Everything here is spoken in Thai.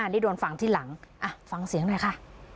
นี่โดนฟังที่หลังฟังเสียงหน่อยค่ะ